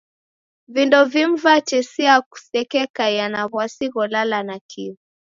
Vindo vimu vatesia kusekekaia na w'asi gholala nakio.